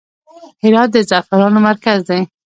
هرات د زعفرانو مرکز دی